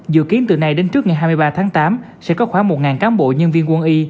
dự kiến từ nay đến trước ngày hai mươi ba tháng tám sẽ có khoảng một cán bộ nhân viên quân y